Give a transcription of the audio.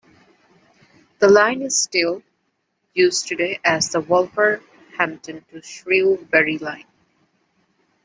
The line is still used today as the Wolverhampton to Shrewsbury Line.